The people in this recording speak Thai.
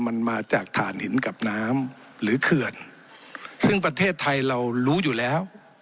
มันมาจากฐานหินกับน้ำหรือเขื่อนซึ่งประเทศไทยเรารู้อยู่แล้ว